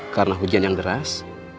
karena hujan yang deras